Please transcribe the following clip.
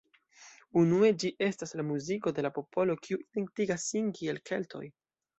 Unue, ĝi estas la muziko de la popolo kiu identigas sin kiel Keltoj.